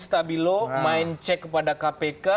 stabilo main cek kepada kpk